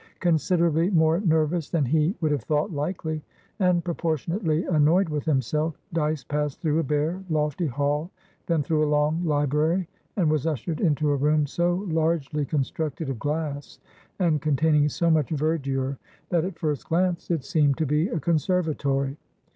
Considerably more nervous than he would have thought likely, and proportionately annoyed with himself, Dyce passed through a bare, lofty hall, then through a long library, and was ushered into a room so largely constructed of glass, and containing so much verdure, that at first glance it seemed to be a conservatory.